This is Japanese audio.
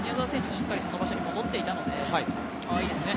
しっかりとその場所に戻っていたので、いいですね。